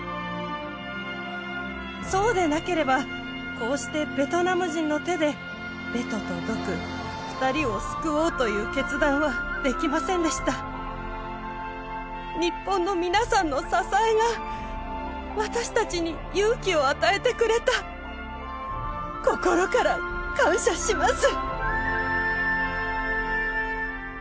そうでなければこうしてベトナム人の手でベトとドク２人を救おうという決断はできませんでした日本の皆さんの支えが私たちに勇気を与えてくれた心から感謝します